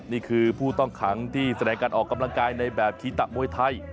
นี่คือผู้ต้องขังที่แสดงการออกกำลังกายในแบบคีตะมวยไทย